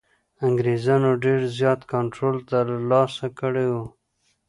انګرېزانو ډېر زیات کنټرول ترلاسه کړی وو.